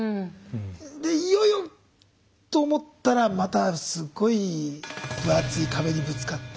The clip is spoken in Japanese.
でいよいよと思ったらまたすごい分厚い壁にぶつかって。